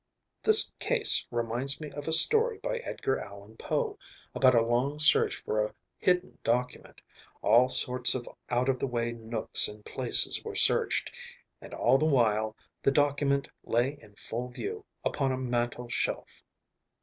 "This case reminds me of a story by Edgar Allan Poe about a long search for a hidden document. All sorts of out of the way nooks and places were searched, and all the while the document lay in full view upon a mantel shelf."